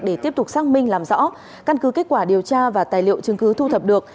để tiếp tục xác minh làm rõ căn cứ kết quả điều tra và tài liệu chứng cứ thu thập được